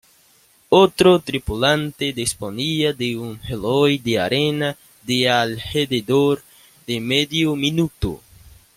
Otro tripulante disponía de un reloj de arena de alrededor de medio minuto.